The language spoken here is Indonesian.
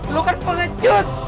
lu kan pengecut